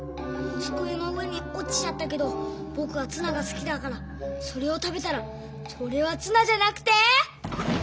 つくえの上におちちゃったけどぼくはツナがすきだからそれを食べたらそれはツナじゃなくて。